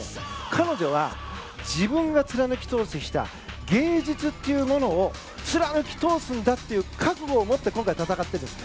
彼女は、自分が貫き通してきた芸術というものを貫き通すんだという覚悟を持って今回は戦ってるんです。